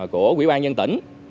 của quỹ ban nhân tỉnh